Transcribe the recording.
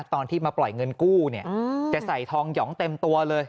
ตอนที่มาปล่อยเงินกู้เนี่ยจะใส่ทองหยองเต็มตัวเลย